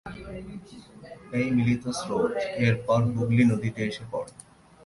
এই মিলিত স্রোত এরপর হুগলি নদীতে এসে পড়ে।